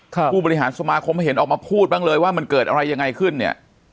ผู้บริหารสมาคมไม่เห็นออกมาพูดบ้างเลยว่ามันเกิดอะไรยังไงขึ้นเนี่ย